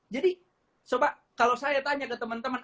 jadi sobat kalau saya tanya ke teman teman